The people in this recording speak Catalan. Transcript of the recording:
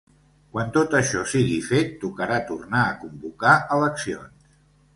Quan tot això sigui fet, tocarà tornar a convocar eleccions.